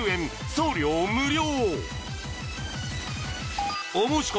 送料無料